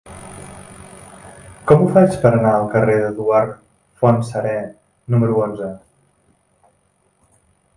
Com ho faig per anar al carrer d'Eduard Fontserè número onze?